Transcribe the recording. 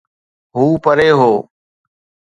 هو پري هو.